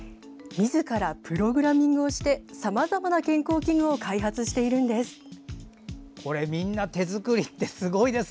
みずからプログラミングをしてさまざまな健康器具を開発しているんです。